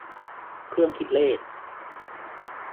เครื่องคิดเลข